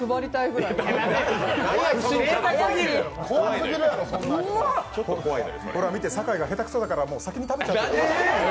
ほら、見て、酒井が下手くそだから先に食べちゃってる。